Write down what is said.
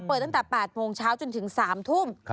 ตั้งแต่๘โมงเช้าจนถึง๓ทุ่ม